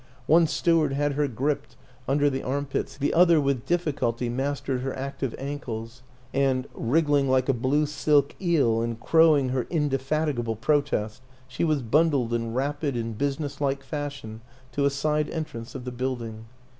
One steward had her gripped under 34 WILLIAM AN ENGLISHMAN the armpits, the other with difficulty mastered her active ankles; and, wriggling like a blue silk eel and crowing her indefatigable protest, she was bundled in rapid and business like fashion to a side entrance of the building.